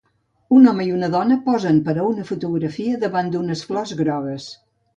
Un home i una dona posen per a una fotografia davant d'unes flores grogues.